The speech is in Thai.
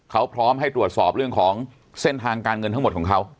เขาพร้อมให้ตรวจสอบเรื่องของเส้นทางการเงินทั้งหมดของเขา